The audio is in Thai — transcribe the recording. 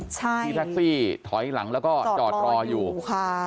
ใช่ที่แท็กซี่ถอยหลังแล้วก็จอดรออยู่ค่ะ